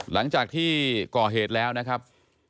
หลังจากที่ก่อเหตุแล้วนะครับ